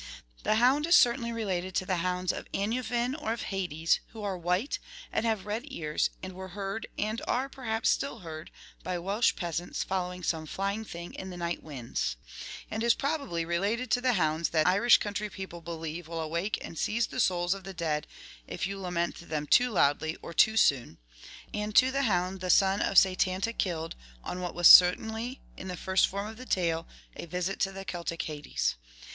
The hound is certainly related to the Hounds of Annwvyn or of Hades, who are vi^hite, and have red ears, and were heard, and are, perhaps, still heard by Welsh peasants following some fly ing thing in the night winds ; and is probably related to the hounds that Irish country people believe will awake and seize the souls of the dead if you lament them too loudly or too soon, 91 and to the hound the son of Setanta killed, on what was certainly, in the first form of the tale, a visit to the Celtic Hades.